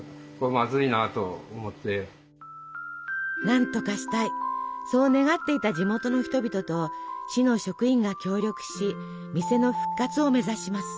何とかしたいそう願っていた地元の人々と市の職員が協力し店の復活を目指します。